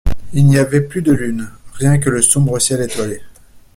Il n’y avait plus de lune ; rien que le sombre ciel étoilé.